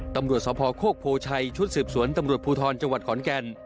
ตำรวจสภโคกโพชัยชุดสืบสวนตำรวจภูทรจังหวัดขอนแก่น